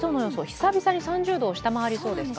久々に３０度を下回りそうですか？